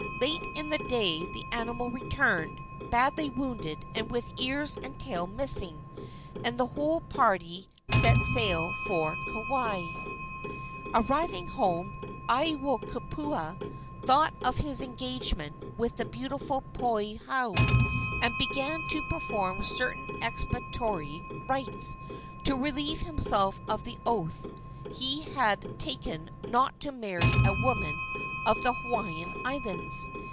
Late in the day the animal returned, badly wounded and with ears and tail missing, and the whole party set sail for Kauai. Arriving home, Aiwohikupua thought of his engagement with the beautiful Poliahu, and began to perform certain expiatory rites to relieve himself of the oath he had taken not to marry a woman of the Hawaiian Islands.